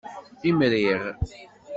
Imriɣ.